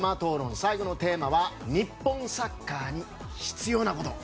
最後のテーマは日本サッカーに必要なこと。